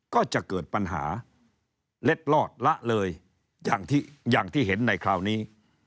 ก็จะเกิดปัญหาเล็ดลอดละเลยอย่างที่เห็นในคราวนี้